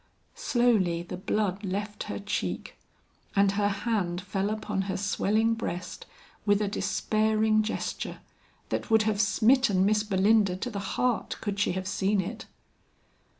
Slowly the blood left her cheek, and her hand fell upon her swelling breast with a despairing gesture that would have smitten Miss Belinda to the heart, could she have seen it.